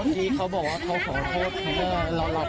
เธอคงจะไม่อยู่บ้าน